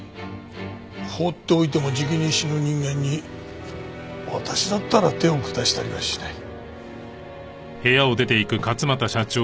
放っておいてもじきに死ぬ人間に私だったら手を下したりはしない。